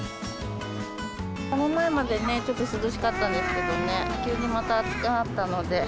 この前までね、ちょっと涼しかったんですけどね、急にまた暑くなったので。